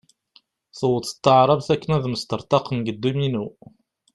Tewweḍ-d tarbaɛt akken ad mesṭarḍaqen deg dduminu.